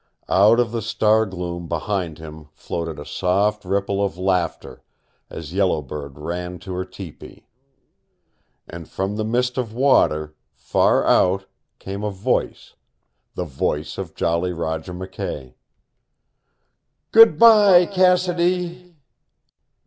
Out of the star gloom behind him floated a soft ripple of laughter as Yellow Bird ran to her tepee. And from the mist of water far out came a voice, the voice of Jolly Roger McKay. "Goodby, Cassidy!"